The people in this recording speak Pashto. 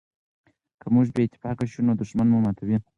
که موږ بې اتفاقه شو نو دښمن مو ماتوي.